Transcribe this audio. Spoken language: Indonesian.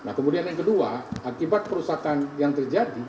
nah kemudian yang kedua akibat perusakan yang terjadi